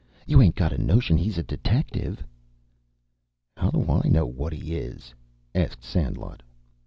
You ain't got a notion he's a detective?" "How do I know what he is?" asked Sandlot.